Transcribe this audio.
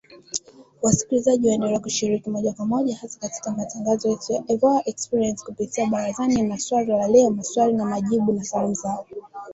Wasikilizaji waendelea kushiriki moja kwa moja hasa katika matangazo yetu ya VOA Express kupitia ‘Barazani’ na ‘Swali la Leo’, 'Maswali na Majibu', na 'Salamu Zenu'